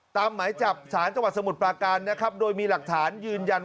หมายจับสารจังหวัดสมุทรปราการนะครับโดยมีหลักฐานยืนยัน